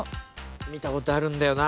見たことあるんだよな。